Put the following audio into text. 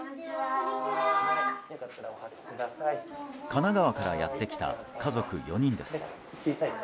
神奈川からやってきた家族４人です。